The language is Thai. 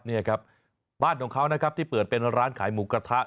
นี่ครับบ้านของเขานะครับที่เปิดเป็นร้านขายหมูกระทะ